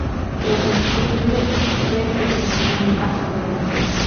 Los disturbios se extendieron a Judea.